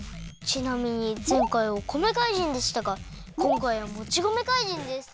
ちなみにぜんかいはお米かいじんでしたがこんかいはもち米かいじんです！